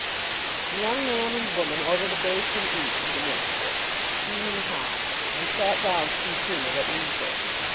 The young man and woman ordered a basin each of the mixture, steaming hot, and sat down to consume it at leisure.